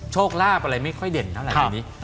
โชคลาภอะไรไม่ค่อยเด่นเท่าไหนี้